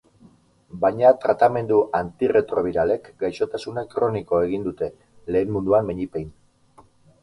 Baina tratamendu antirretrobiralek gaixotasuna kroniko egin dute, lehen munduan behinik behin.